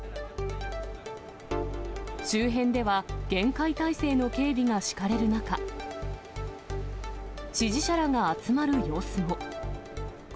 周辺では厳戒態勢の警備が敷かれる中、支持者らが集まる様子も。